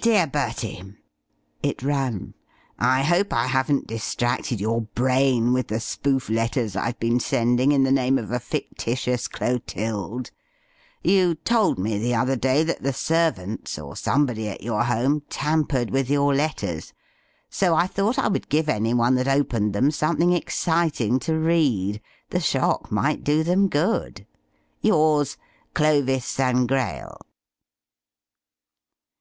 "DEAR BERTIE," it ran; "I hope I haven't distracted your brain with the spoof letters I've been sending in the name of a fictitious Clotilde. You told me the other day that the servants, or somebody at your home, tampered with your letters, so I thought I would give any one that opened them something exciting to read. The shock might do them good. "Yours, "CLOVIS SANGRAIL."